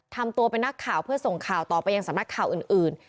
ทำตัวเป็นนักข่าวเพื่อส่งข่าวต่อไปยังสำนักข่าวอื่น